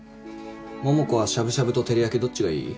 桃子はしゃぶしゃぶと照り焼きどっちがいい？